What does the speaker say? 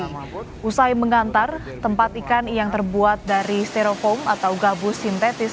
usai mengantar tempat ikan yang terbuat dari stereofoam atau gabus sintetis